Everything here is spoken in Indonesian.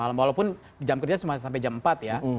kalau belum kerja cuma sampai jam empat ya